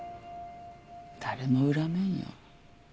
誰も恨めんよ。